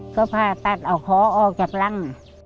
ก็พาตัดออกฮอล์ออกจับร่าง